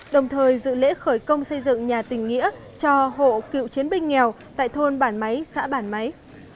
đồng thời dự lễ khởi công xây dựng nhà tình nghĩa cho hộ cựu chiến binh nghèo tại thôn bản máy xã bản máy